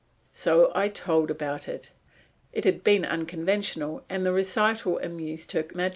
So I told about it. It had been unconventional, and the recital amused Her Majesty.